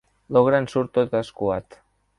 L'ogre en surt tot escuat.